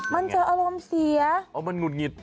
มันเจออารมณ์เสียอ๋อมันหุดหงิด